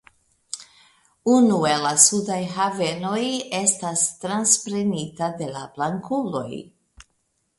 Unu el la sudaj havenoj estas transprenita de la blankuloj.